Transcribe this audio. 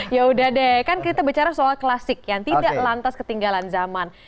ya udah deh kan kita bicara soal klasik yang tidak lantas ketinggalan zaman